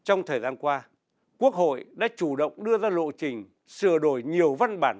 trong thời gian qua quốc hội đã chủ động đưa ra lộ trình sửa đổi nhiều văn bản